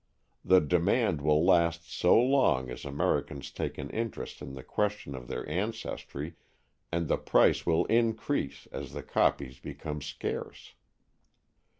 The demand will last so long as Americans take an interest in the question of their ancestry, and the price will increase as the copies become scarce.